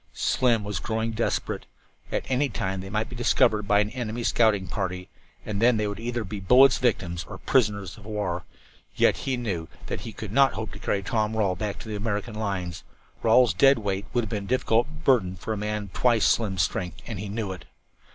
Slim was growing desperate. At any time they might be discovered by an enemy scouting party, and then they would either be bullets' victims or prisoners of war. Yet he knew that he could not hope to carry Tom Rawle back to the American lines. Rawle's dead weight would have been a difficult burden for a man of twice Slim's strength, and he knew it.